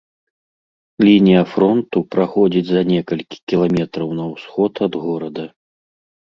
Лінія фронту праходзіць за некалькі кіламетраў на ўсход ад горада.